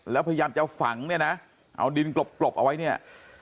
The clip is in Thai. แล้วพยายามจะฝังเนี่ยนะเอาดินกลบเอาไว้เนี่ย